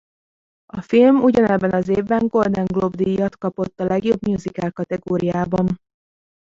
A film ugyanebben az évben Golden Globe-díjat kapott a legjobb musical kategóriában.